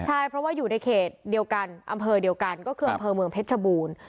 ใช่เพราะว่าอยู่ในเขตเดียวกันอำเภอเดียวกันก็คืออำเภอเมืองเพชรชบูรณ์